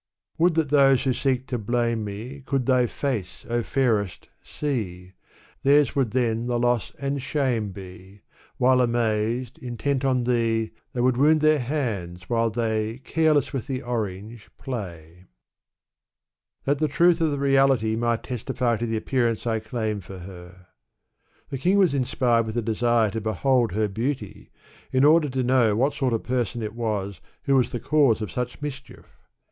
Would that those who seek to blame me Could thy face, O fairest ! see ; Theirs would then the loss and shame be : While amazed, intent on thee, They would wound their hands while they Careless with the orange ^ play : That the truth of the reality might testify to the appear ance I claim for her !" The king was inspired with a desire to behold her beauty, in order to know what sort of person it was who was the cause of such mis chief.